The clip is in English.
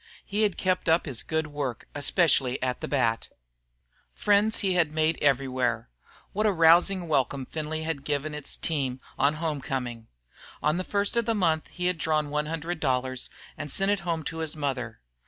He had kept up his good work, especially at the bat. Friends he had made everywhere. What a rousing welcome Findlay had given its team on home coming! On the first of the month he had drawn one hundred dollars and had sent it home to his mother.